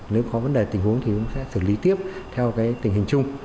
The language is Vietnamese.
nếu có vấn đề tình huống thì chúng tôi sẽ xử lý tiếp theo tình hình chung